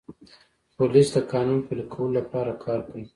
پولیس د قانون پلي کولو لپاره کار کوي.